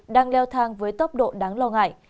đang leo thang với tốc độ đáng lo ngại